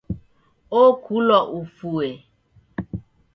Okulwa ufue